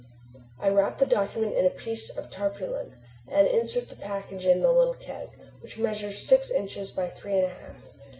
I wrap the document in a piece of tarpaulin and insert the package in the little keg, which measures six inches by three and a half.